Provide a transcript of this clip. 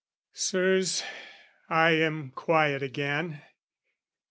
Sirs, I am quiet again.